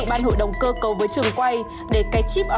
khi chúng tôi có vẻ lưỡng lự